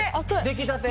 出来たて？